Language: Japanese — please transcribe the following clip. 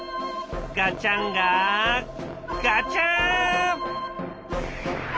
ガチャンガガチャン！